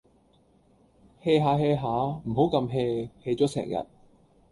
hea 吓 hea 吓，唔好咁 hea，hea 咗成日